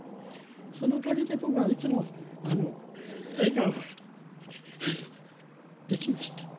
そのおかげで僕はいつも笑顔ができました。